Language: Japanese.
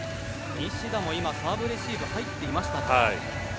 西田も今、サーブレシーブ入っていましたね。